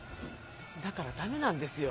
だからダメなんですよ